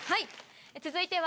続いては。